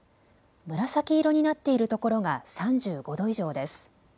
紫色になっている所が３５度以上です。